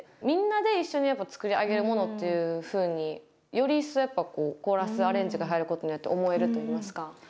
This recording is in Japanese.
みんなで一緒にやっぱ作り上げるものっていうふうにより一層やっぱコーラスアレンジが入ることによって思えるといいますか。